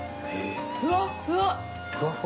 ふわっふわ！